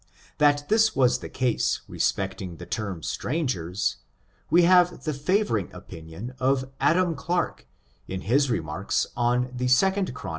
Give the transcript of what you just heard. That this was the case respecting the term strangers, we have the favoring opinion of Adam Clarke, in his remarks on the 2 Chron.